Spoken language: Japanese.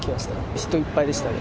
人いっぱいでしたね。